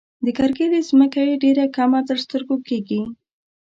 د کرکيلې ځمکه یې ډېره کمه تر سترګو کيږي.